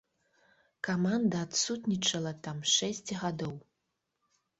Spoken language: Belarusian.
Каманда адсутнічала там шэсць гадоў.